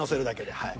はい。